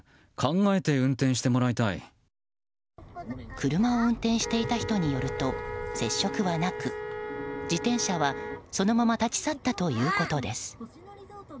車を運転していた人によると接触はなく自転車は、そのまま立ち去ったということです。